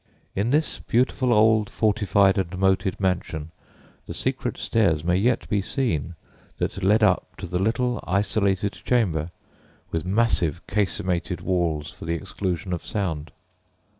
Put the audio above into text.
In this beautiful old fortified and moated mansion the secret stairs may yet be seen that led up to the little isolated chamber, with massive casemated walls for the exclusion of sound.